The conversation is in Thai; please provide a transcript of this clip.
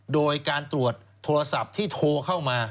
โดยการตรวจโทรศัพท์ที่โทรเข้ามา